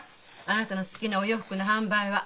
あなたの好きなお洋服の販売は。